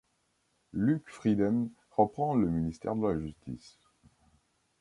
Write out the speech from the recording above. Luc Frieden reprend le ministère de la Justice.